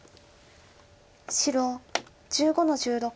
白１５の十六。